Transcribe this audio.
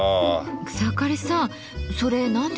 草刈さんそれ何ですか？